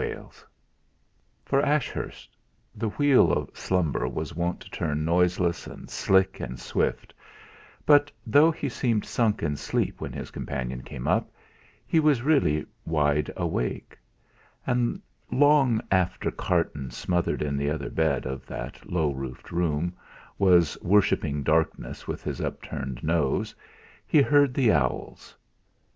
3 For Ashurst the wheel of slumber was wont to turn noiseless and slick and swift, but though he seemed sunk in sleep when his companion came up, he was really wide awake; and long after Carton, smothered in the other bed of that low roofed room, was worshipping darkness with his upturned nose, he heard the owls.